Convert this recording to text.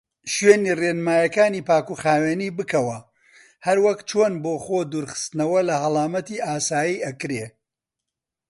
شوێنی ڕێنمایەکانی پاکوخاوینی بکەوە هەروەک چۆن بۆ خۆ دورخستنەوە لە هەڵامەتی ئاسای ئەکرێ.